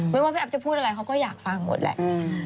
ไม่ว่าพี่แอฟจะพูดอะไรเขาก็อยากฟังหมดแหละ